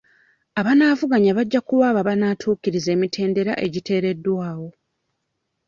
Abanaavuganya bajja kuba abo abanaatuukiriza emitendera agiteereddwawo.